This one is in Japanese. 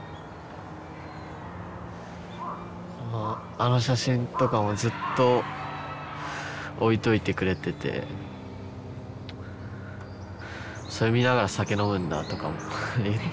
あの写真とかもずっと置いといてくれててそれ見ながら酒飲むんだとかも言って。